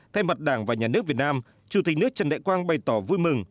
thay mặt đảng và nhà nước việt nam chủ tịch nước trần đại quang bày tỏ vui mừng